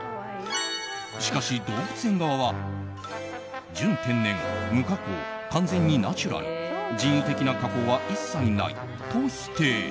しかし動物園側は、純天然無加工、完全にナチュラル人為的な加工は一切ないと否定。